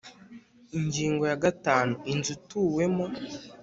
Ingingo ya gatanu Inzu ituwemo